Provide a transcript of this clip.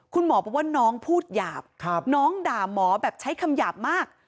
คุณหมอบอกว่าน้องพูดหยาบน้องด่าหมอแบบใช้คำหยาบมาก